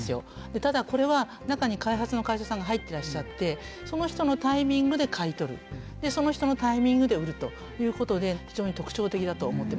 ただこれは中に開発の会社さんが入ってらっしゃってその人のタイミングで買い取るその人のタイミングで売るということで非常に特徴的だと思ってます。